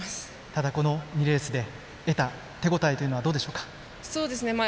ただ、２レースで得た手応えというのはどうでしょうか？